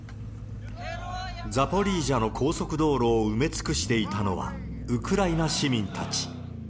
ザポリージャの高速道路を埋め尽くしていたのは、ウクライナ市民たち。